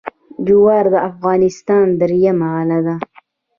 جوار د افغانستان درېیمه غله ده.